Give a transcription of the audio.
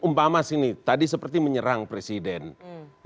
umpama sini tadi seperti menyerang presiden